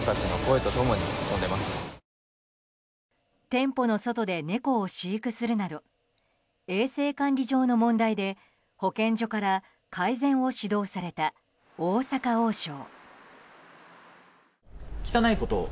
店舗の外で猫を飼育するなど衛生管理上の問題で保健所から改善を指導された大阪王将。